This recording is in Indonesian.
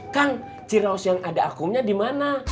kang ciraos yang ada akumnya dimana